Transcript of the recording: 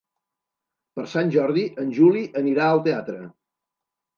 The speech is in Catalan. Per Sant Jordi en Juli anirà al teatre.